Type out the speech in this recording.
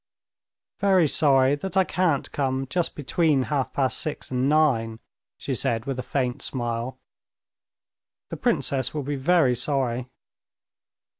"Very sorry that I can't come just between half past six and nine," she said with a faint smile. "The princess will be very sorry."